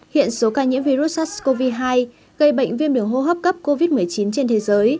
hiện số ca nhiễm virus sars cov hai gây bệnh viêm đường hô hấp cấp covid một mươi chín trên thế giới